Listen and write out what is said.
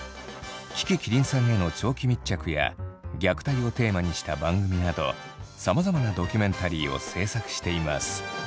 樹木希林さんへの長期密着や虐待をテーマにした番組などさまざまなドキュメンタリーを制作しています。